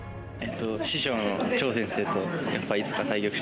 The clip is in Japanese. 師匠の趙先生とやっぱいつか対局してみたいです。